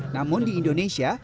namun di indonesia